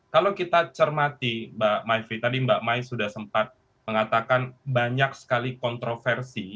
kalau kita cermati mbak maifri tadi mbak mai sudah sempat mengatakan banyak sekali kontroversi